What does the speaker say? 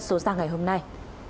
số sáng ngày hôm nay